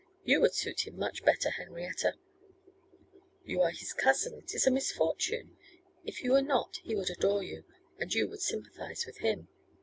You would suit him much better, Henrietta.' 'You are his cousin; it is a misfortune; if you were not, he would adore you, and you would sympathise with him.